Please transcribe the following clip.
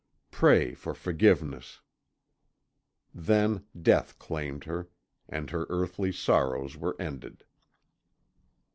Pray for forgiveness!" Then death claimed her, and her earthly sorrows were ended.